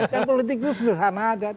dan politik itu sederhana aja